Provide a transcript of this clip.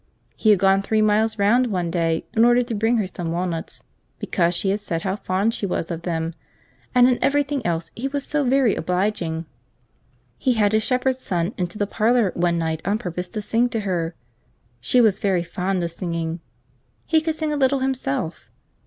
He had gone three miles round one day in order to bring her some walnuts, because she had said how fond she was of them, and in every thing else he was so very obliging. He had his shepherd's son into the parlour one night on purpose to sing to her. She was very fond of singing. He could sing a little himself.